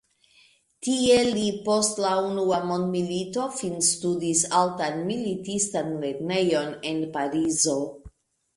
Tie li post la unua mondmilito finstudis Altan militistan lernejon en Parizo.